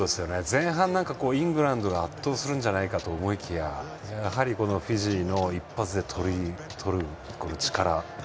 前半なんかイングランドが圧倒するんじゃないかと思いきややはり、フィジーの一発でとる力。